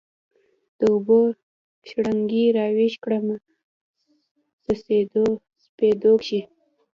د اوبو شرنګي راویښ کړمه سپېدو کښي